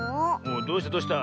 どうしたどうした？